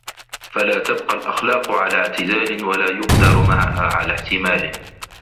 فَلَا تَبْقَى الْأَخْلَاقُ عَلَى اعْتِدَالٍ وَلَا يُقْدَرُ مَعَهَا عَلَى احْتِمَالٍ